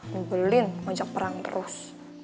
ngebelin ngonjak perang terus